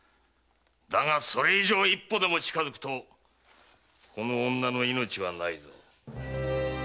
だがそれ以上一歩でも近づくとこの女の命はないぞ。